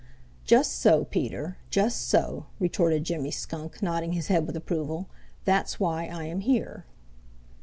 "Just so, Peter; just so," retorted Jimmy Skunk, nodding his head with approval. "That's why I am here."